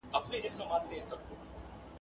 په المان کي د ټولنپوهنې تحول ډیر چټک و.